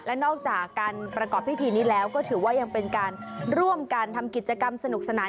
และนอกจากการประกอบพิธีนี้แล้วก็ถือว่ายังเป็นการร่วมกันทำกิจกรรมสนุกสนาน